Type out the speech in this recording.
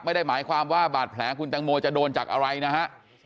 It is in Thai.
ไม่ได้หมายความว่าบาดแผลคุณแตงโมจะโดนจากอะไรนะฮะ